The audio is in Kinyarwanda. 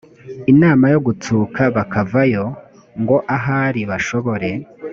inama yo gutsuka bakavayo ngo ahari bashobora